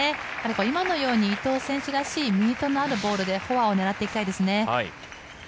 今のように伊藤選手らしいミートのあるボールでフォアを狙っていきたいですね。